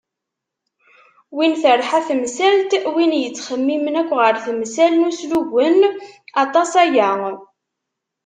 Win terḥa temsalt, win yettxemmimen akk ɣer temsal n uslugen aṭas aya.